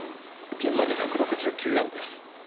ピンまで１６９ヤードです。